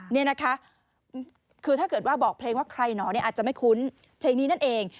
นี่นะคะคือถ้าเกิดว่าบอกเพลงว่าใครหนอเนี่ยอาจจะไม่คุ้นเพลงนี้นั่นเอง